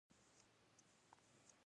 کرکټ ذهني او فزیکي چټکتیا غواړي.